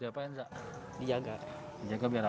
dipercaya vio media will meet